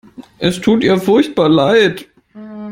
Es tut ihr furchtbar leid.